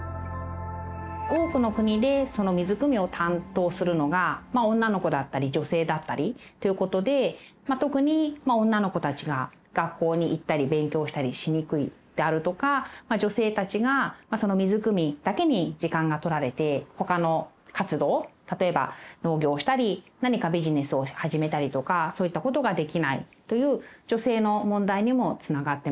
多くの国でその水くみを担当するのが女の子だったり女性だったりということで特に女の子たちが学校に行ったり勉強したりしにくいであるとか女性たちがその水くみだけに時間が取られてほかの活動例えば農業したり何かビジネスを始めたりとかそういったことができないという女性の問題にもつながってます。